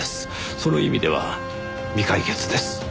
その意味では未解決です。